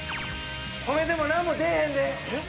褒めてもなんも出えへんでえっ？